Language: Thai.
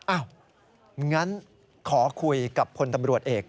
อ้าวอย่างนั้นขอคุยกับพนธบรวจเอก